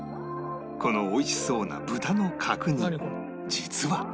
この美味しそうな豚の角煮実は